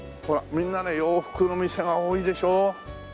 みんなね洋服の店が多いでしょ？